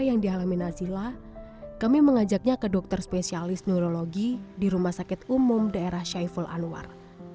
yang dialami nazila kami mengajaknya ke dokter spesialis neurologi di rumah sakit umum daerah syaiful anwar